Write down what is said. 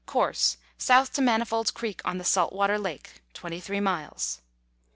Course, South to Manifold's Creek on the Saltwater Lake, 23 miles.